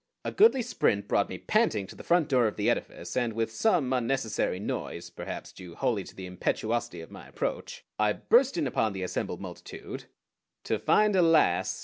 A goodly sprint brought me panting to the front door of the edifice, and with some unnecessary noise, perhaps due wholly to the impetuosity of my approach, I burst in upon the assembled multitude to find, alas!